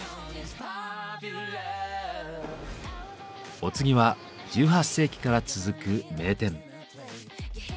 お次は１８世紀から続く名店。